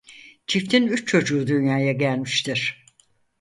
Çiftin üç çocuğu dünyaya gelmiştir.